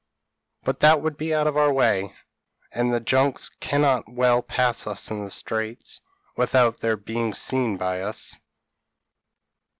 p> "But that would be out of our way, and the junks cannot well pass us in the Straits, without their being seen by us."